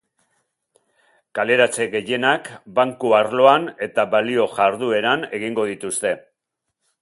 Kaleratze gehienak banku arloan eta balio-jardueran egingo dituzte.